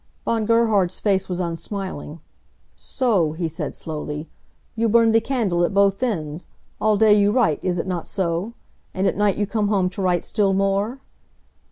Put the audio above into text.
Von Gerhard's face was unsmiling. "So," he said, slowly. "You burn the candle at both ends. All day you write, is it not so? And at night you come home to write still more?